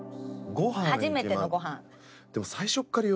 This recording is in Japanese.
初めてのごはん。